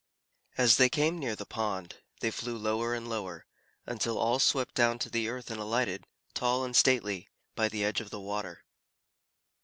As they came near the pond, they flew lower and lower, until all swept down to the earth and alighted, tall and stately, by the edge of the water.